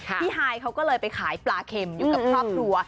ฮายเขาก็เลยไปขายปลาเข็มอยู่กับครอบครัว